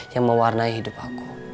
yang mewarnai hidup aku